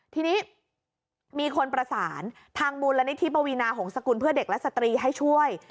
ทีนี้มีคนประสานทางมูลนิธิปวีนาหงษกุลเพื่อเด็กและสตรีให้ช่วย